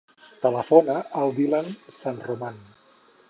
Telefona al Dylan Sanroman.